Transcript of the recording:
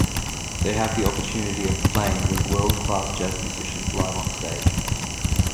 They have the opportunity of playing with world-class jazz musicians live on stage.